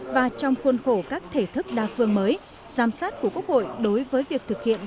và trong khuôn khổ các thể thức đa phương mới giám sát của quốc hội đối với việc thực hiện